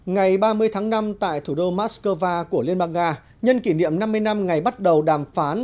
ngày ba mươi tháng năm tại thủ đô moscow của liên bang nga nhân kỷ niệm năm mươi năm ngày bắt đầu đàm phán